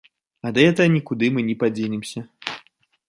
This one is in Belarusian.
Ад гэтага нікуды мы не падзенемся.